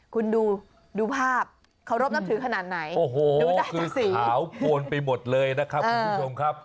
คุณดูดูภาพเขารบนับถือขนาดไหนโอ้โหดูได้ดูสิขาวโพนไปหมดเลยนะครับคุณผู้ชมครับ